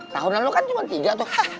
tahun lalu kan cuma tiga tuh